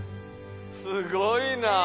すごいなあ。